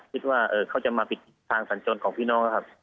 คิดว่าเขาจะมาปิดทางสัญจรของพี่น้องนะครับ